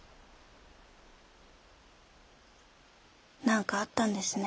何かあったんですね？